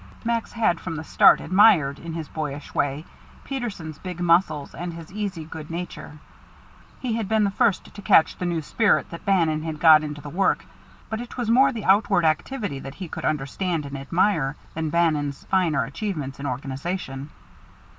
Max had from the start admired, in his boyish way, Peterson's big muscles and his easy good nature. He had been the first to catch the new spirit that Bannon had got into the work, but it was more the outward activity that he could understand and admire than Bannon's finer achievements in organization.